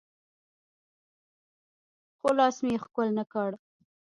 خو لاس مې يې ښکل نه کړ.